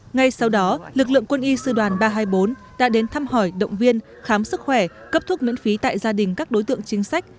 ngay sau đó lực lượng quân y sư đoàn ba trăm hai mươi bốn đã đến thăm hỏi động viên khám sức khỏe cấp thuốc miễn phí tại gia đình các đối tượng chính sách